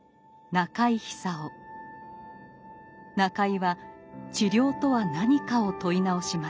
中井は治療とは何かを問い直します。